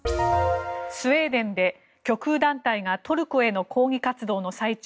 スウェーデンで極右団体がトルコへの抗議活動の最中